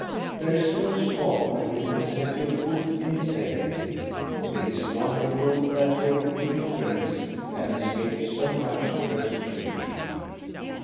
There is no spot where you can set your foot in safety ; it is wonderful that your weak race can escape so much persecution.